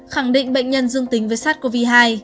khẳng định bệnh nhân dương tính với sars cov hai